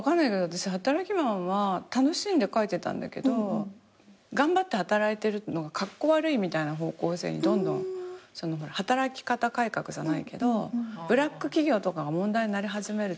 私『働きマン』は楽しんで描いてたんだけど頑張って働いてるのがカッコ悪いみたいな方向性にどんどん働き方改革じゃないけどブラック企業とかが問題になり始める